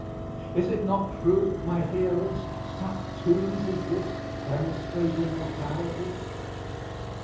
Is it not true, my hearers, such tombs as this demonstrate immortality?